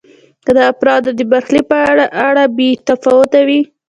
که د افرادو د برخلیک په اړه بې تفاوت وي.